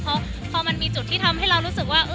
เพราะพอมันมีจุดที่ทำให้เรารู้สึกว่า